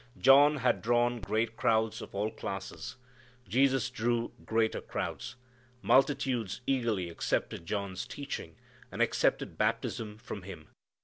John had drawn great crowds of all classes. Jesus drew greater crowds. Multitudes eagerly accepted John's teaching and accepted baptism from him.